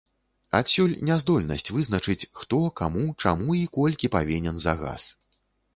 Адсюль няздольнасць вызначыць, хто, каму, чаму і колькі павінен за газ.